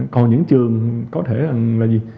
còn những trường có thể là gì